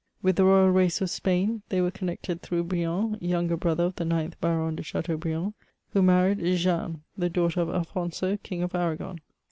With the royal race of Spain they were connected through Brien, younger brother of the ninth Baron de Chateaubriand, who married Jeanne, the daughter of Alphonso, King of Arragon.